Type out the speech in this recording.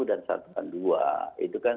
dan satuan dua itu kan